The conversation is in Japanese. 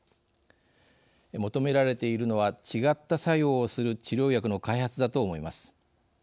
求められているのは違った作用をする治療薬の開発だと思います。